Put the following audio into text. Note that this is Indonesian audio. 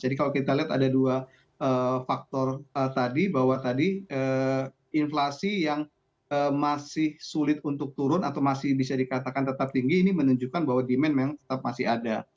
jadi kalau kita lihat ada dua faktor tadi bahwa tadi inflasi yang masih sulit untuk turun atau masih bisa dikatakan tetap tinggi ini menunjukkan bahwa demand memang tetap masih ada